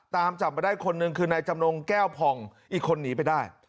ตามจับมาได้คนหนึ่งคือนายจำนงแก้วผ่องอีกคนหนีไปได้